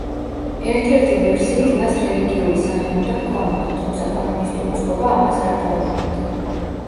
ერთ-ერთი ვერსიით მას რელიგიური სახე უნდა ჰქონოდა, თუმცა კომუნისტური წყობა ამას არ დაუშვებდა.